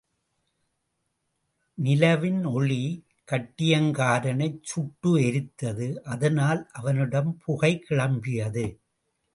நிலவின் ஒளி கட்டியங்காரனைச் சுட்டு எரித்தது அதனால் அவனிடம் புகை கிளம்பியது.